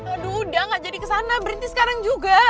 aduh udah gak jadi kesana berhenti sekarang juga